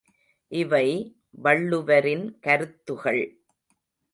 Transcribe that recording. இவை வள்ளுவரின் கருத்துகள்.